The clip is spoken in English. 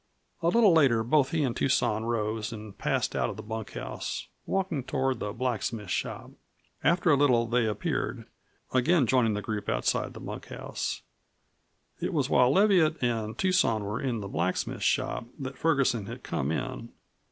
A little later both he and Tucson rose and passed out of the bunkhouse, walking toward the blacksmith shop. After a little they appeared, again joining the group outside the bunkhouse. It was while Leviatt and Tucson were in the blacksmith shop that Ferguson had come in.